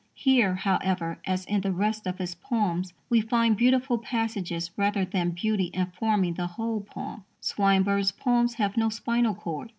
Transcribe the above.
Here, however, as in the rest of his poems, we find beautiful passages rather than beauty informing the whole poem. Swinburne's poems have no spinal cord.